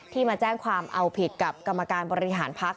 มาแจ้งความเอาผิดกับกรรมการบริหารพักษ